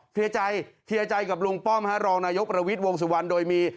เทียดใจเทียดใจกับลุงป้อมฮะรองนายกประวิทธิ์วงศุวรรณโดยมี